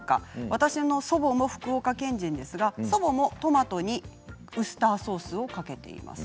私の祖母も福岡県人ですがトマトにウスターソースをかけています。